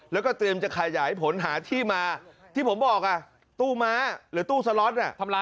แล้วก็เตรียมจะขยายผลหาที่มาที่ผมบอกตู้ม้าหรือตู้สล็อต